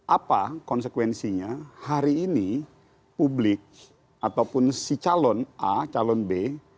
apa konsekuensinya hari ini publik ataupun si calon a calon b